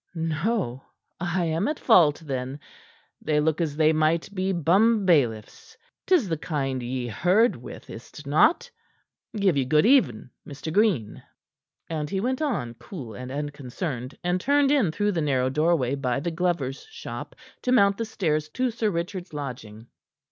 "No? I am at fault, then. Yet they look as if they might be bumbailiffs. 'Tis the kind ye herd with, is't not? Give you good even, Mr. Green." And he went on, cool and unconcerned, and turned in through the narrow doorway by the glover's shop to mount the stairs to Sir Richard's lodging.